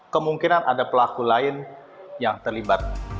kemungkinan ada pelaku lain yang terlibat